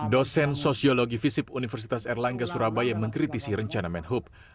dosen sosiologi visip universitas erlangga surabaya mengkritisi rencana menhub